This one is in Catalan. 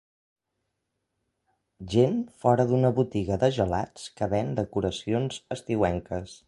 Gent fora d'una botiga de gelats que ven decoracions estiuenques.